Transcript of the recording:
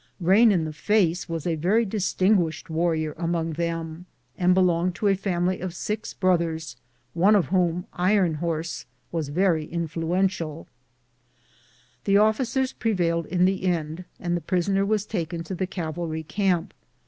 Rain in the face was a very dis tinguished warrior among them, and belonged to a family of six brothers, one of whom, Iron Horse, was CAPTURE A]ST) ESCAPE OF RAIN IX TUE FACE. 207 very influential. The officers prevailed in the end, and the prisoner was taken to the cavalry camp.